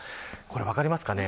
分かりますか。